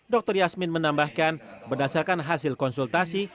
dr yasmin menambahkan berdasarkan hasil konsultasi